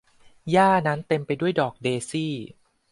หญ้านั้นเต็มไปด้วยดอกเดซี่